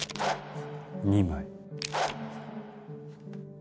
２枚。